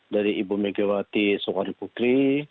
dari ibu megawati soekarno putri